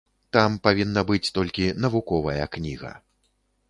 Там павінна быць толькі навуковая кніга.